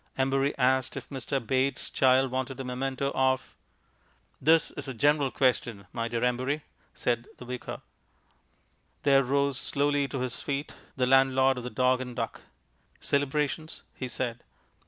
Embury asked if Mr. Bates' child wanted a memento of "This is a general question, my dear Embury," said the Vicar. There rose slowly to his feet the landlord of the Dog and Duck. Celebrations, he said.